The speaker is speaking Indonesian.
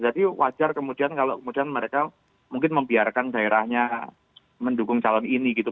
jadi wajar kemudian kalau kemudian mereka mungkin membiarkan daerahnya mendukung calon ini gitu